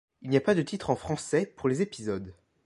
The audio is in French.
Il n'y a pas de titres en français pour les épisodes.